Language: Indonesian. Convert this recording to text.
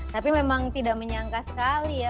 tapi memang tidak menyangka sekali ya